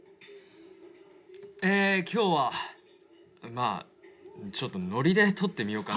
「えぇ今日はまぁちょっとノリで撮ってみようかな」